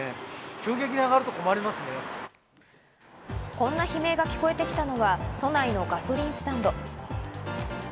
こんな悲鳴が聞こえてきたのは都内のガソリンスタンド。